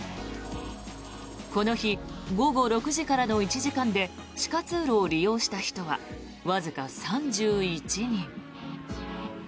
この日、午後６時からの１時間で地下通路を利用した人はわずか３１人。